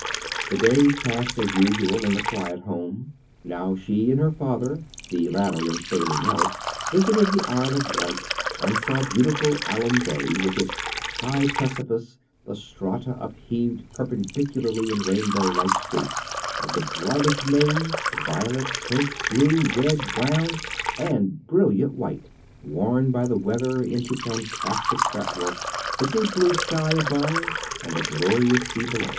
The days passed as usual in the quiet home. Now she and her father, the latter in failing health, visited the Isle of Wight, and saw beautiful Alum Bay, with its "high precipice, the strata upheaved perpendicularly in rainbow, like streaks of the brightest maize, violet, pink, blue, red, brown, and brilliant white, worn by the weather into fantastic fretwork, the deep blue sky above, and the glorious sea below."